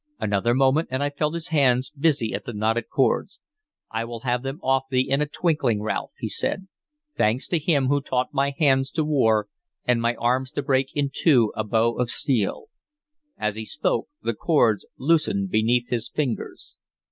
Another moment, and I felt his hands busy at the knotted cords. "I will have them off thee in a twinkling, Ralph," he said, "thanks to Him who taught my hands to war, and my arms to break in two a bow of steel." As he spoke, the cords loosened beneath his fingers.